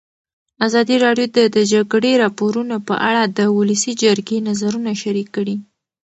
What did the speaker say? ازادي راډیو د د جګړې راپورونه په اړه د ولسي جرګې نظرونه شریک کړي.